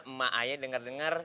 emak ayah denger denger